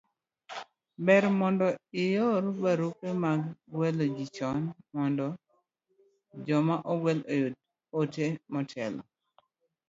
ber mondo ior barupe mag gwelo ji chon mondo joma ogwel oyud ote motelo